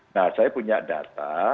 nah saya punya data